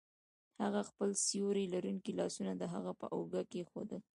هغه خپل سیوري لرونکي لاسونه د هغه په اوږه کیښودل